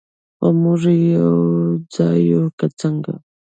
خو موږ به یو ځای یو، که څنګه؟